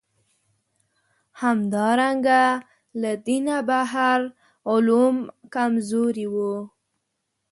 همدارنګه له دینه بهر علوم کمزوري وو.